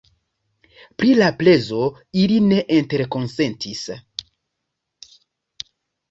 Pri la prezo ili ne interkonsentis.